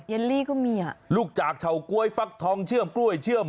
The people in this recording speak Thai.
ลี่ก็มีอ่ะลูกจากเฉาก๊วยฟักทองเชื่อมกล้วยเชื่อม